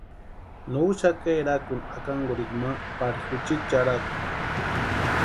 No úxaka erakuni jakankurhikwa ma pari juchiti charhaku.